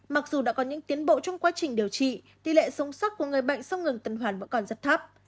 mặc dù đã có những tiến bộ trong quá trình điều trị tỷ lệ sống sót của người bệnh sau ngừng tần hoa vẫn còn rất thấp